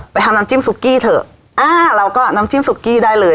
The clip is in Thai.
ทำน้ำจิ้มซุกี้เถอะอ่าเราก็น้ำจิ้มซุกกี้ได้เลย